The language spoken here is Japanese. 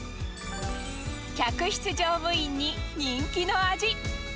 客室乗務員に人気の味。